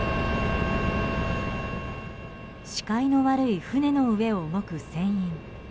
視界の悪い船の上を動く船員。